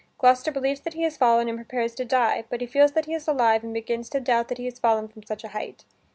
Gloucester believes that he has fallen and prepares to die, but he feels that he is alive and begins to doubt that he has fallen from such a height.